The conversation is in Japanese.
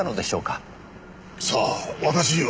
さあ私には。